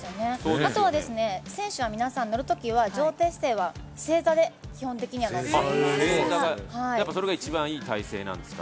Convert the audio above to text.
あとは選手は皆さん、乗るときは乗艇姿勢は正座で基本的に乗っています。